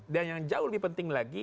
dan yang jauh lebih penting lagi